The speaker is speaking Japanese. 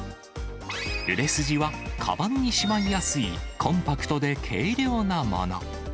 売れ筋はかばんにしまいやすい、コンパクトで軽量なもの。